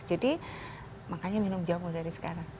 jadi makanya minum jamu dari sekarang